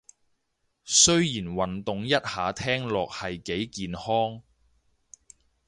雖然運動一下聽落係幾健康